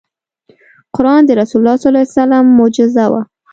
قرآن د رسول الله ص معجزه وه .